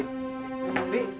aauh aauh aduh aduh